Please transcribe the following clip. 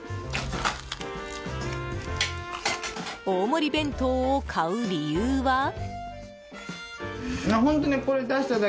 大盛り弁当を買う理由は。